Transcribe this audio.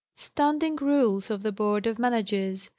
STANDING RULES OF THE BOARD OF MANAGERS.